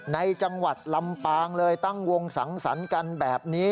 ในจังหวัดลำปางเลยตั้งวงสังสรรค์กันแบบนี้